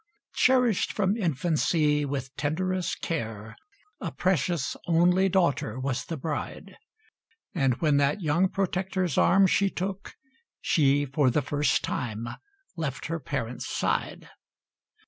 Cherished from infancy with tenderest care, A precious only daughter was the bride; And when that young protector's arm she took, She for the first time left her parents' side.